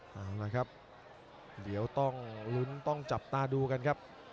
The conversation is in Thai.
เอาละครับเดี๋ยวต้องลุ้นต้องจับตาดูกันครับ